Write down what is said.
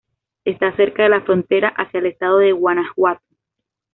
Está cerca de la frontera hacia el estado de Guanajuato.